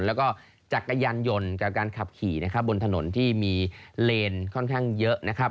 แล้วก็จักรยานยนต์กับการขับขี่นะครับบนถนนที่มีเลนค่อนข้างเยอะนะครับ